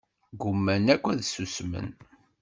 Gguman akk ad ssusmen.